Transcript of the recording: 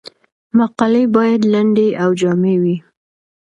مقالې باید لنډې او جامع وي.